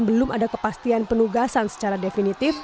belum ada kepastian penugasan secara definitif